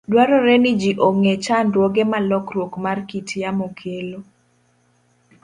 Dwarore ni ji ong'e chandruoge ma lokruok mar kit yamo kelo.